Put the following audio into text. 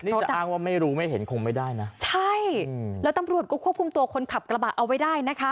นี่จะอ้างว่าไม่รู้ไม่เห็นคงไม่ได้นะใช่แล้วตำรวจก็ควบคุมตัวคนขับกระบะเอาไว้ได้นะคะ